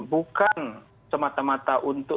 bukan semata mata untuk